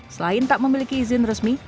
selain tak memiliki izin resmi